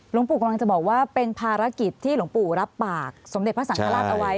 หลวงปู่กำลังจะบอกว่าเป็นภารกิจที่หลวงปู่รับปากสมเด็จพระสังฆราชเอาไว้